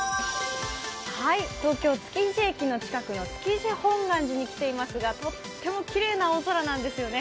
東京・築地駅の近くの築地本願寺に来ていますがとってもきれいな青空なんですよね。